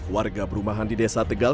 warga perumahan di desa tegal